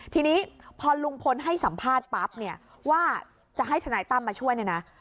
ทีนี้พอลุงพลให้สัมภาษณ์ปั๊บเนี่ยว่าจะให้ทนายตั้มมาช่วยเนี่ยนะ